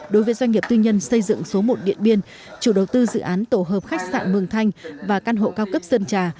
đối với doanh nghiệp tư nhân xây dựng số một điện biên chủ đầu tư dự án tổ hợp khách sạn mường thanh và căn hộ cao cấp sơn trà